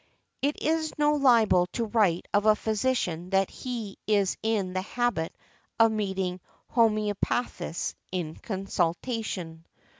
It is no libel to write of a physician that he is in the habit of meeting homœopathists in consultation .